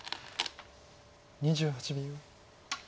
２８秒。